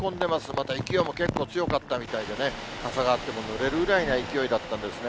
また勢いも結構強かったみたいでね、傘があってもぬれるぐらいな勢いだったんですね。